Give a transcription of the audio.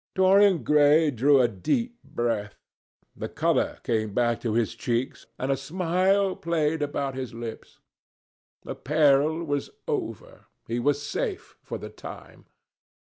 Dorian Gray drew a long breath. The colour came back to his cheeks, and a smile played about his lips. The peril was over. He was safe for the time.